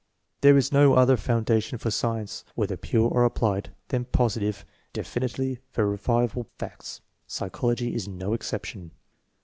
There is no other foundation for science, whether pure or applied, than positive, definitely verifiable facts. Psychology is no exception.